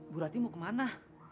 bu rati mau kemana